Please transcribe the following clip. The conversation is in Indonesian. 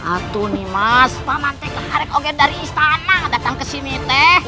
atau nimas paman teh keharik ogen dari istana datang kesini teh